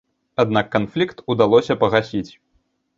Аднак канфлікт удалося пагасіць.